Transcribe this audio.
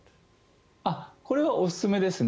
これはおすすめですね。